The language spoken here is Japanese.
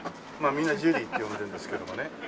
みんなジュリーって呼んでるんですけどもね。